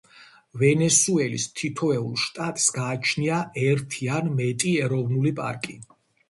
ვენესუელის თითოეულ შტატს გააჩნია ერთი ან მეტი ეროვნული პარკი.